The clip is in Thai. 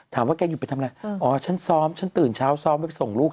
แกหยุดไปทำอะไรอ๋อฉันซ้อมฉันตื่นเช้าซ้อมไปส่งลูก